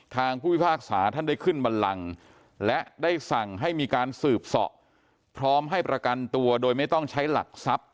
ผู้พิพากษาท่านได้ขึ้นบันลังและได้สั่งให้มีการสืบเสาะพร้อมให้ประกันตัวโดยไม่ต้องใช้หลักทรัพย์